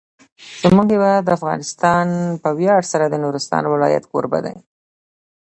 زموږ هیواد افغانستان په ویاړ سره د نورستان ولایت کوربه دی.